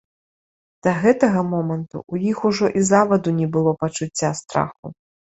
Да гэтага моманту ў іх ужо і заваду не было пачуцця страху.